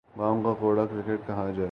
گاؤں کا کوڑا کرکٹ کہاں جائے گا۔